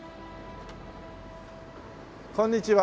こんにちは。